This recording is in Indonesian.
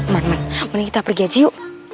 man man mending kita pergi aja yuk